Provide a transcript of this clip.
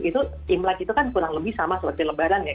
itu imlek itu kan kurang lebih sama seperti lebaran ya